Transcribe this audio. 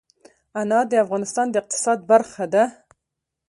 انار د افغانستان د اقتصاد برخه ده.